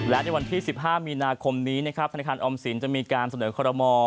และในวันที่๑๕มีนาคมนี้นะครับธนาคารออมสินจะมีการเสนอคอรมอล